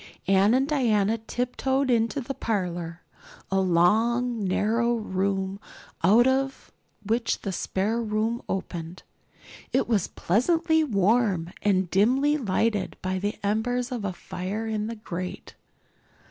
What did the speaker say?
Anne and Diana tiptoed into the parlor, a long narrow room out of which the spare room opened. It was pleasantly warm and dimly lighted by the embers of a fire in the grate.